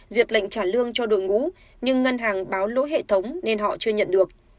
duyệt lệnh trả lương cho đội ngũ nhưng ngân hàng báo lỗi hệ thống nên họ chưa nhận được